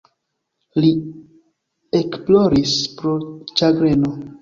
Li ekploris pro ĉagreno.